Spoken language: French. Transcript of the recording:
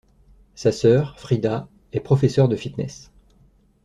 Sa sœur, Frida, est professeure de fitness.